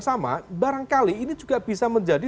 sama barangkali ini juga bisa menjadi